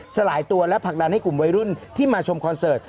สลายตัวและผลักดันให้กลุ่มวัยรุ่นที่มาชมคอนเสิร์ต